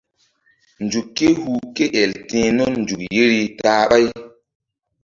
Nzuk ké hu ké el ti̧h nun nzuk yeri ta-a ɓáy.